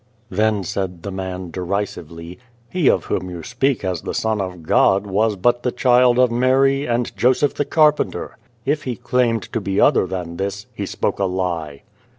Then said the man derisively, " He of whom you speak as the Son of God, was but the child of Mary and Joseph the Carpenter. If He claimed to be other than this, He spoke a lie."